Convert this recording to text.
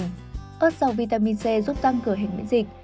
ơt giàu vitamin c giúp tăng cửa hình miễn dịch